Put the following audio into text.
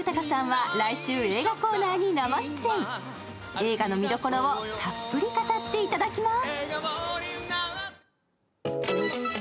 映画の見どころをたっぷり語っていただきます。